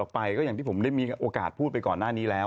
ไปก็อย่างที่ผมได้มีโอกาสพูดไปก่อนหน้านี้แล้ว